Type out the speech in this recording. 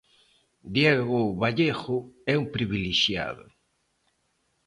Diego Vallejo é un privilexiado.